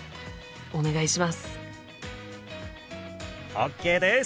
ＯＫです！